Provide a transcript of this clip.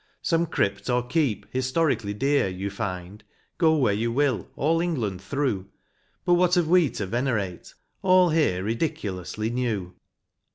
Some crypt or keep, historically dear, You find, go where you will, all England through : But what have we to venerate, — all here Ridiculously new.